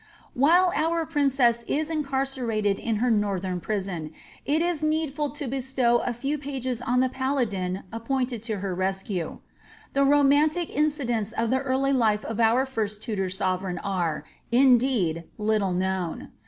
While our princess is incarcerated in her northern prison, it is needful to bestow a few pages on the paladin appointed to her rescue. The romantic incidents oi the early life of our first Tudor sovereign ares indeed, little known.